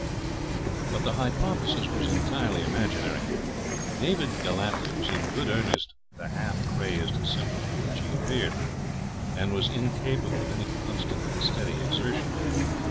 But the hypothesis was entirely imaginary; David Gellatley was in good earnest the half crazed simpleton which he appeared, and was incapable of any constant and steady exertion.